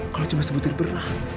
kau cuma sebut di beras